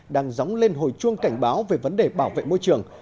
đang dóng lên hồi chuông cảnh báo về vấn đề bảo vệ môi trường